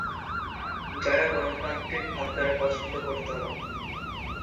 যারা গণতান্ত্রিক ভাবধারা পছন্দ করতো না।